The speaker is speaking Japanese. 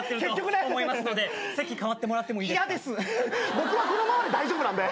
僕はこのままで大丈夫なんで。